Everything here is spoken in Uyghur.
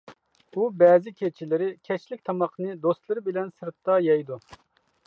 ئۇ بەزى كېچىلىرى كەچلىك تاماقنى دوستلىرى بىلەن سىرتتا يەيدۇ.